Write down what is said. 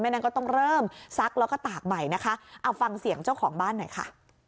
นั้นก็ต้องเริ่มซักแล้วก็ตากใหม่นะคะเอาฟังเสียงเจ้าของบ้านหน่อยค่ะ